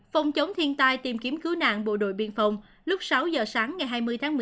phòng chống thiên tai tìm kiếm cứu nạn bộ đội biên phòng lúc sáu giờ sáng ngày hai mươi tháng một mươi hai